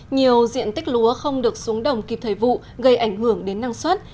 nhiều diện tích lúa không được xuống đồng kịp thời vụ gây ảnh hưởng đến năng suất